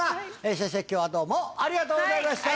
先生今日はどうもありがとうございました。